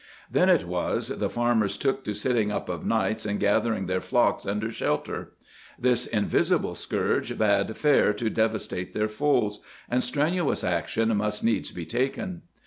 Then it was the farmers took to sitting up of nights and gathering their flocks under shelter. This invisible scourge bade fair to devastate their folds, and strenuous action must needs be taken.